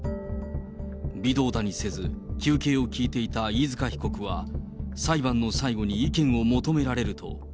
微動だにせず求刑を聞いていた飯塚被告は、裁判の最後に意見を求められると。